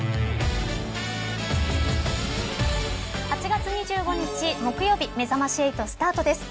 ８月２５日木曜日めざまし８スタートです。